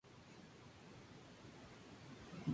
Sus restos fueron cremados.